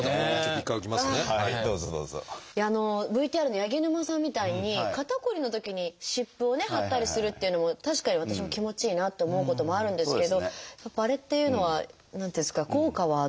ＶＴＲの八木沼さんみたいに肩こりのときに湿布をね貼ったりするっていうのも確かに私も気持ちいいなって思うこともあるんですけどあれっていうのは何ていうんですか効果はどうなんですか？